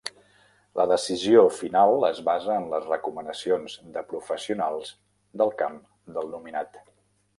La decisió final es basa en les recomanacions de professionals del camp del nominat.